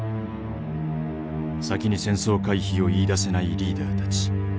先に戦争回避を言いだせないリーダーたち。